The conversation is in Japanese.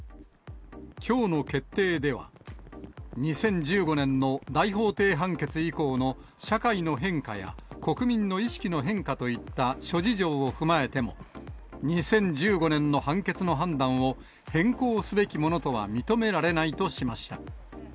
きょうの決定では、２０１５年の大法廷判決以降の社会の変化や、国民の意識の変化といった諸事情を踏まえても、２０１５年の判決の判断を変更すべきものとは認められないとしました。